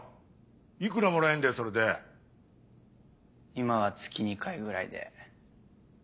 今は月２回ぐらいで。